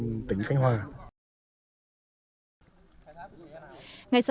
ngày sáng sáng tỉnh khánh hòa đã đưa ra một bản tin về tỉnh khánh hòa